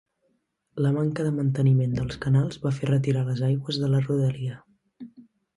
La manca de manteniment dels canals va fer retirar les aigües de la rodalia.